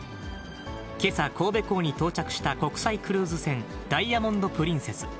けさ、神戸港に到着した国際クルーズ船、ダイヤモンド・プリンセス。